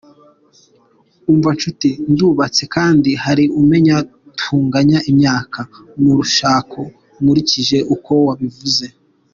Umva nshuti, ndubatse kandi hari umenya tunganya imyaka mu urushako nkurikije uko wabivuze.